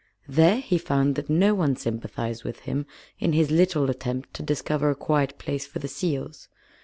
There he found that no one sympathized with him in his little attempt to discover a quiet place for the seals.